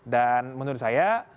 dan menurut saya